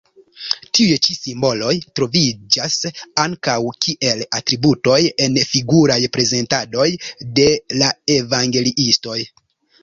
Tiuj ĉi simboloj troviĝas ankaŭ kiel atributoj en figuraj prezentadoj de la evangeliistoj.